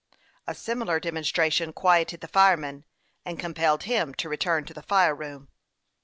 A similar demonstration quieted the fireman, and com pelled him to return to the fire room.